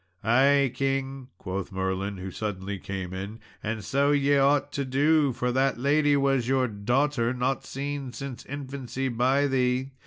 "Ay, king," quoth Merlin, who suddenly came in, "and so ye ought to do, for that lady was your daughter, not seen since infancy by thee.